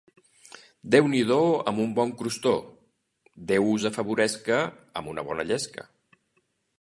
Déu n'hi do amb un bon crostó, Déu us afavoresca amb una bona llesca.